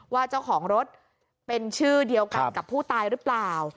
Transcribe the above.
ว่าเจ้าของรถเป็นชื่อเดียวกันกับผู้ตายหรือเปล่า